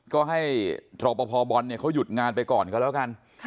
ก็ให้รอปภบอลเนี่ยเขาหยุดงานไปก่อนก็แล้วกัน